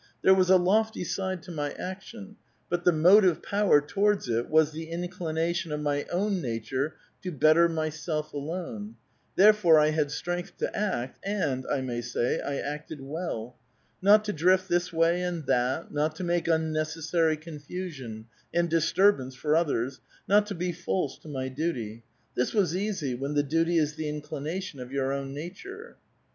There was a lofty side to my action ; but the motive power towards it was the inclination of my own nature to better myself alone. Therefore I had strength to act, and, I may say, I acted well. Not to drift this way and that, not to make un necessary confusion and disturbance for others, not to be false to my duty, — this was easy, when the duty is the in clination of vour own nature.